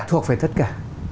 thuộc về tất cả